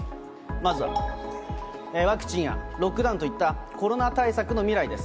まずは、ワクチンやロックダウンといったコロナ対策の未来です。